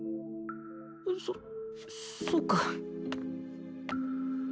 そそうか。